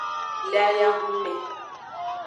Le ayahun mme.